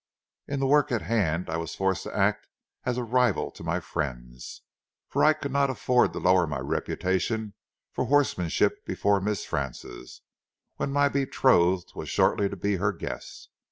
In the work in hand, I was forced to act as a rival to my friends, for I could not afford to lower my reputation for horsemanship before Miss Frances, when my betrothed was shortly to be her guest.